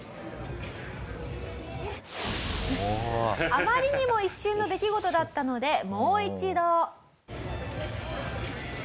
あまりにも一瞬の出来事だったのでもう一度。